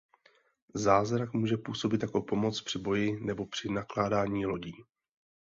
Zázrak může působit jako pomoc při boji nebo při nakládání lodí.